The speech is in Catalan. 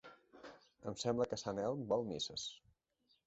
Em sembla que sant Elm vol misses!